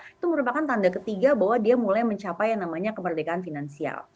itu merupakan tanda ketiga bahwa dia mulai mencapai yang namanya kemerdekaan finansial